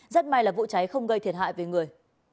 rất may là vụ cháy không gây thiệt hại về người